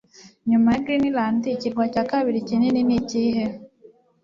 Nyuma ya Greenland Ikirwa cya kabiri kinini Nikihe?